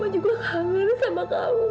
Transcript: maka camilla nya di dalam